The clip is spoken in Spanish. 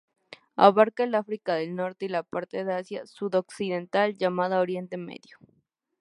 Abarca el África del Norte y la parte de Asia sudoccidental llamada Oriente Medio.